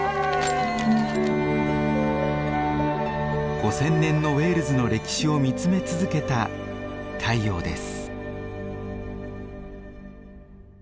５，０００年のウェールズの歴史を見つめ続けた太陽です。